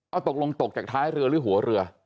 เอาตกลงตกจากท้ายเรือหรือหัวเรือ